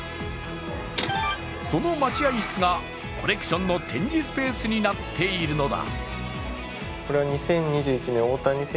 その待合室がコレクションの展示スペースになっているのだ。